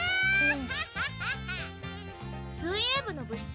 水泳部の部室？